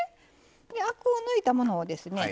アクを抜いたものをですね